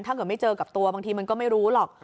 ถ้าเกิดไม่เจอกับตัวบางทีมันก็ไม่รู้หรอก